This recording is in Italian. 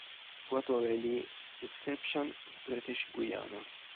Fu autore di "Description of British Guiana".